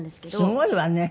すごいわね！